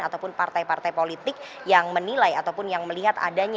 ataupun partai partai politik yang menilai ataupun yang melihat adanya